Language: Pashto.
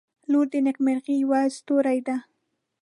• لور د نیکمرغۍ یوه ستوری ده.